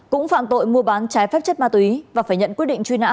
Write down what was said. cũng phạm tội mua bán trái phép chất ma túy và phải nhận quyết định truy nã